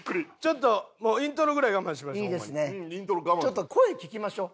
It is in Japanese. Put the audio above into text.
ちょっと声聴きましょう。